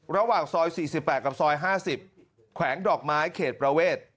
ระหว่างซอยสี่สิบแปดกับซอยห้าสิบแขวงดอกไม้เขตประเวท